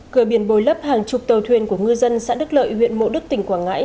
cửa biển bồi lấp hàng chục tàu thuyền của ngư dân xã đức lợi huyện mộ đức tỉnh quảng ngãi